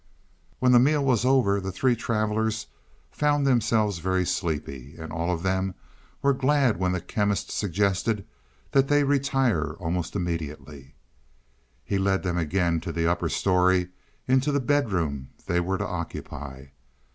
When the meal was over the three travelers found themselves very sleepy, and all of them were glad when the Chemist suggested that they retire almost immediately. He led them again to the upper story into the bedroom they were to occupy.